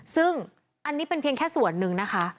ซึ่งอันนี้เป็นเพียงแค่ส่วนหนึ่งนะคะ